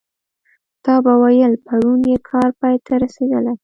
تا به ویل پرون یې کار پای ته رسېدلی.